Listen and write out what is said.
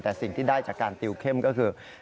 แต่สิ่งที่ได้จากการติวเข้มก็คือ